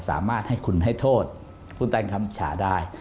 สามารถให้คุณให้โทษผู้ใต้คำฉาได้